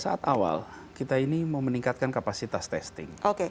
soal kita ini mau meningkatkan kapasitas testing